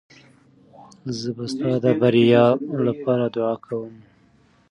زه به ستا د بریا لپاره دعا کوم.